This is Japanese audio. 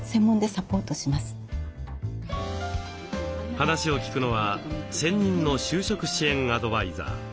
話を聞くのは専任の就職支援アドバイザー。